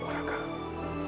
benarkah rai prabu